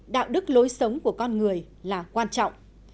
đạo đức lối sống của con người là quan trọng